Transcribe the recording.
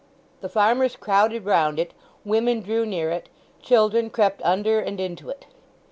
The farmers crowded round it, women drew near it, children crept under and into it.